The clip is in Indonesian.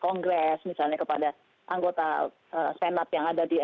kongres misalnya kepada anggota senat yang ada di